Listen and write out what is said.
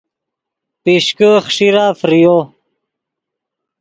پیشکے خݰیرا فریو